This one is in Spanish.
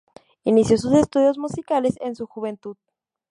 Inició sus estudios musicales en su juventud.